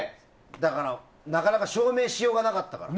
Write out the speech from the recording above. だから、なかなか証明しようがなかったから。